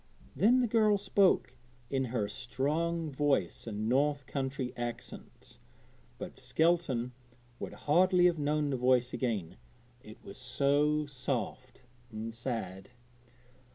Then the girl spoke in her strong voice and north country accent, but Skelton would hardly have known the voice again, it was so soft and sad.